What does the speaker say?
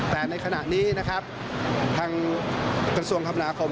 แต่ในขณะนี้ทางกระทรวงคำนาคม